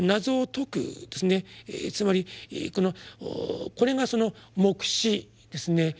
謎を解くつまりこれがその「黙示」ですね。